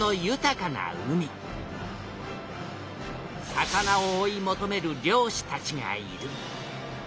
魚を追い求める漁師たちがいる。